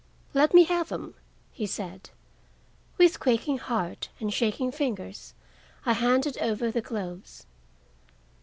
"Let me have them," he said. With quaking heart and shaking fingers I handed over the gloves.